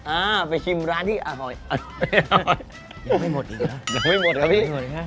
อ่าไปชิมร้านที่อร่อยอร่อยยังไม่หมดอีกหรอยังไม่หมดหรอพี่